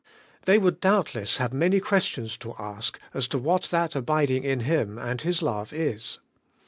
They would doubtless have many questions to ask as to what that abiding in Him and His love is.